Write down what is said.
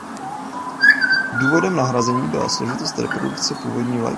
Důvodem nahrazení byla složitost reprodukce původní vlajky.